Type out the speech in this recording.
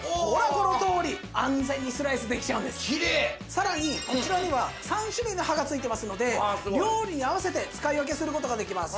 さらにこちらには３種類の刃が付いていますので料理に合わせて使い分けする事ができます。